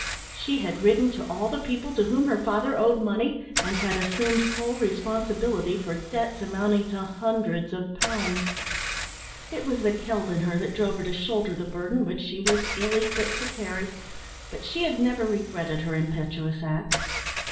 She had written to all the people to whom her father owed money and had assumed full responsibility for debts amounting to hundreds of pounds. It was the Celt in her that drove her to shoulder the burden which she was ill equipped to carry, but she had never regretted her impetuous act.